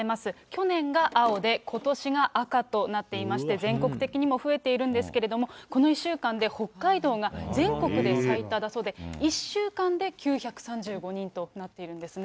去年が青で、ことしが赤となっていまして、全国的にも増えているんですけれども、この１週間で北海道が全国で最多だそうで、１週間で９３５人となっているんですね。